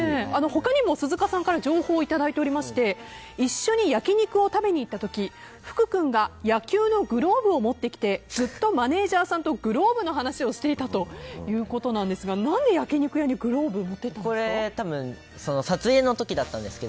他にも鈴鹿さんから情報をいただいていまして一緒に焼き肉を食べに行った時福君が野球のグローブを持ってきてずっとマネジャーさんとグローブの話をしていたということなんですが何で焼き肉屋にグローブを持って行ったんですか？